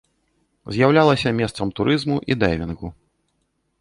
З'яўлялася месцам турызму і дайвінгу.